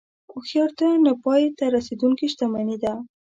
هوښیارتیا نه پای ته رسېدونکې شتمني ده.